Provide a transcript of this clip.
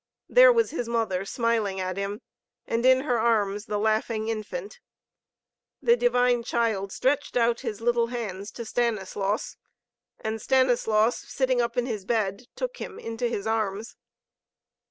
There was his Mother, smiling at him, and in her arms the laughing Infant. The divine Child stretched out His little hands to Stanislaus, and Stanislaus, sitting up in his bed, took Him into his arms.